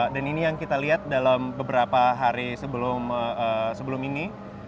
dan ini yang kita lihat dalam beberapa hari sebelum ini